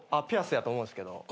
ピアスやと思うんすけど。